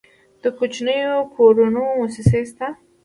د کوچنیو پورونو موسسې شته؟